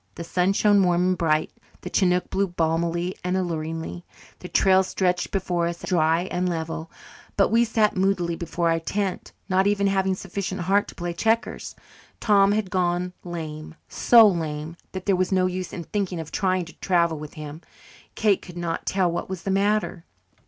The sun shone warm and bright; the chinook blew balmily and alluringly; the trail stretched before us dry and level. But we sat moodily before our tent, not even having sufficient heart to play checkers. Tom had gone lame so lame that there was no use in thinking of trying to travel with him. Kate could not tell what was the matter.